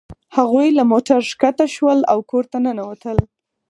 هغوی له موټر ښکته شول او کور ته ننوتل